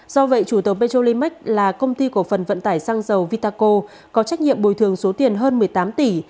do vậy chủ tàu petrolimic là công ty của phần vận tải xăng dầu vitaco có trách nhiệm bồi thường số tiền hơn một mươi tám tỷ